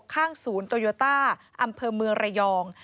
ข้างศูนย์โตโยต้าอำเภอเมืองระยอง